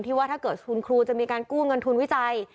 ว่าถ้าเกิดคุณครูจะมีการกู้เงินทุนวิจัย